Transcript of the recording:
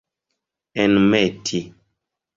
enmeti